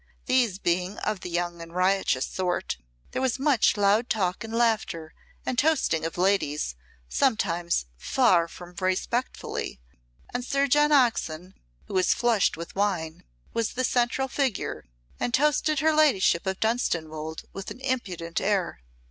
These being of the young and riotous sort, there was much loud talk and laughter and toasting of ladies, sometimes far from respectfully, and Sir John Oxon, who was flushed with wine, was the central figure, and toasted her ladyship of Dunstanwolde with an impudent air.